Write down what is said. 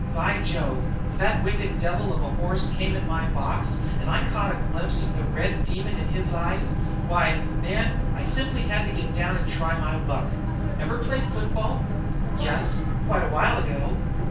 By Jove, when that wicked devil of a horse came at my box and I caught a glimpse of the red demon in his eyes why, man, I simply had to get down and try my luck. Ever play football?" "Yes, quite a while ago."